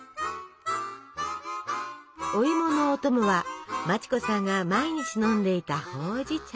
おいものお供は町子さんが毎日飲んでいたほうじ茶。